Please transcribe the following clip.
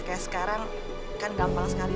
kayak sekarang kan gampang sekali